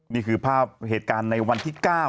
นี่คือภาพเหตุการณ์ในวันที่๙